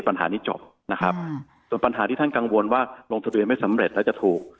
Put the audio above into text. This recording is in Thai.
ปัญหานี้จบนะครับส่วนปัญหาที่ท่านกังวลว่าลงทะเบียนไม่สำเร็จแล้วจะถูก